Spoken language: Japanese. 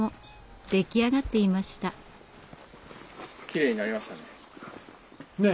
きれいになりましたね。